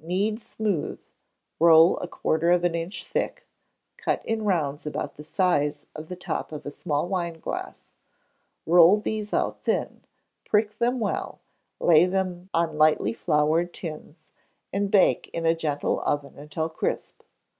Knead smooth, roll a quarter of an inch thick, cut in rounds about the size of the top of a small wineglass; roll these out thin, prick them well, lay them on lightly floured tins, and bake in a gentle oven until crisp.